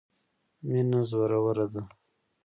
مینه زوروره ده.